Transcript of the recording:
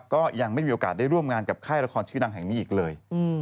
ก็ยังไม่มีโอกาสได้ร่วมงานกับค่ายละครชื่อดังแห่งนี้อีกเลย